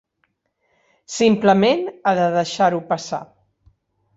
Simplement ha de deixar-ho passar.